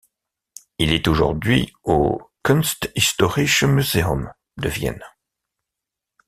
Il est aujourd'hui au Kunsthistorisches Museum de Vienne.